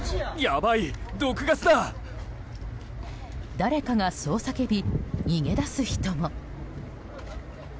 誰かがそう叫び逃げ出す人も。